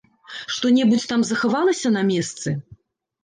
Што-небудзь там захавалася на месцы?